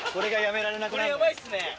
これ、やばいっすね。